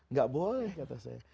nggak boleh kata saya